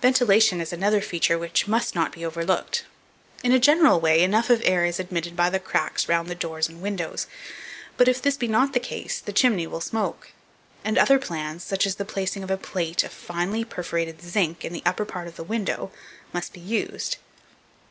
Ventilation is another feature which must not be overlooked. In a general way, enough of air is admitted by the cracks round the doors and windows; but if this be not the case, the chimney will smoke; and other plans, such as the placing of a plate of finely perforated zinc in the upper part of the window, must be used.